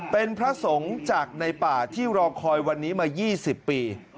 เป็นพระสงฆ์จากในป่าที่รอคอยวันนี้มา๒๐ปี